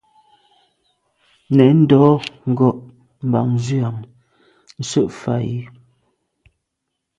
Nèn ndo’ ngo’ bàn nzwi am nse’ mfà yi.